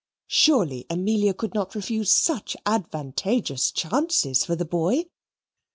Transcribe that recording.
Surely, Amelia could not refuse such advantageous chances for the boy.